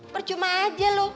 percuma aja lu